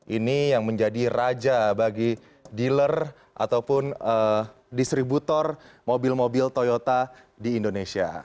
ini yang menjadi raja bagi dealer ataupun distributor mobil mobil toyota di indonesia